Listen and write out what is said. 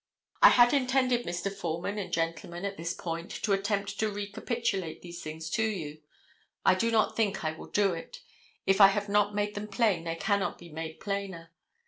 I had intended, Mr. Foreman and gentlemen, at this point, to attempt to recapitulate these things to you. I do not think I will do it. If I have not made them plain they cannot be made plainer.